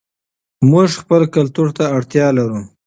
موږ خپل کلتور ته اړتیا لرو.